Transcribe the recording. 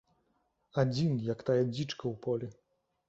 Адзін, як тая дзічка ў полі.